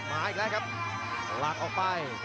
มาอีกแล้วครับหลักออกไป